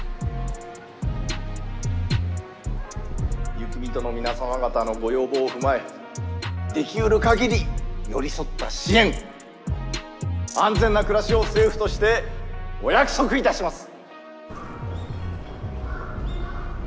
雪人の皆様方のご要望を踏まえできるかぎり寄り添った支援安全な暮らしを政府としてお約束いたします。